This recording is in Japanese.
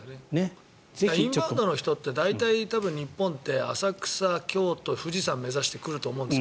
インバウンドの人って大体、日本って浅草、京都、富士山を目指して来ると思うんです。